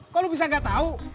kok lu bisa gak tau